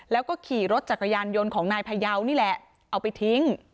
แล้วก็ขี่รถจักรยานยนต์ของนายพยาวนี่แหละเอาไปทิ้ง